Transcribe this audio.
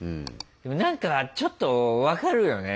でも何かちょっと分かるよね